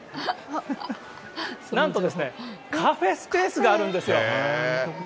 なんとカフェスペースがあるんですよ。